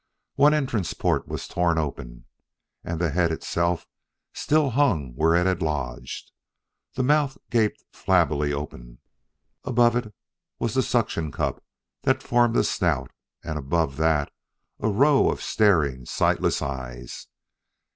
One entrance port was torn open, and the head itself still hung where it had lodged. The mouth gaped flabbily open; above it was the suction cup that formed a snout; and above that, a row of staring, sightless eyes.